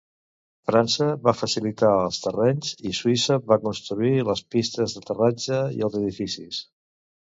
França va facilitar els terrenys i Suïssa va construir les pistes d'aterratge i els edificis.